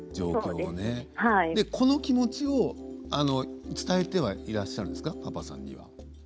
この気持ちを伝えてはいらっしゃるんですか。